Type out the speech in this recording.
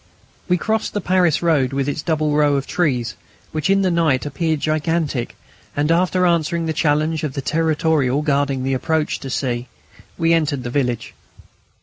We crossed the Paris road, with its double row of trees, which, in the night, appeared gigantic, and, after answering the challenge of the Territorial guarding the approach to C., we entered the village.